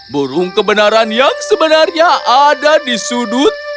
burung kebenaran yang sebenarnya ada di sudut